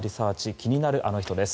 気になるアノ人です。